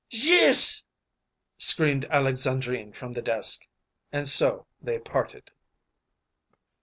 "Gueuse!" screamed Alexandrine from the desk. And so they parted.